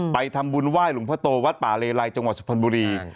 ไปทำบุญไหว้หลวงพ่อโตวัดป่าเลไลจังหวัดสุพรรณบุรี